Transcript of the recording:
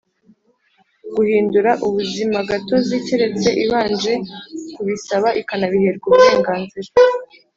Guhindura ubuzimagatozi keretse ibanje kubisaba ikanabiherwa uburenganzira